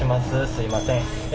すみません。